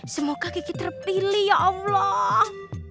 semoga kiki terpilih ya allah